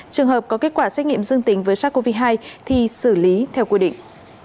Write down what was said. trường hợp có kết quả xét nghiệm dương tính với sars cov hai thì xử lý theo quy định